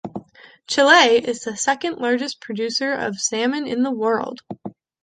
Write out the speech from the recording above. Chile is the second largest producer of salmon in the world.